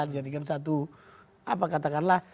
menjadikan satu apa katakanlah